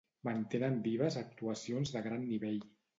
mantenen vives actuacions de gran nivell